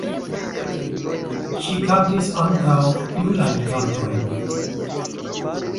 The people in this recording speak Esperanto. Ŝi kantis ankaŭ julajn kantojn.